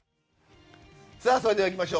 それではいきましょう。